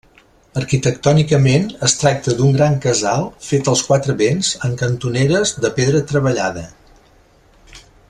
Arquitectònicament es tracta d'un gran casal fet als quatre vents amb cantoneres de pedra treballada.